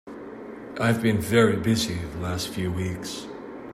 I've been very busy the last few weeks.